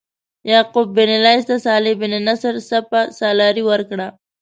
یعقوب بن لیث ته صالح بن نصر سپه سالاري ورکړه.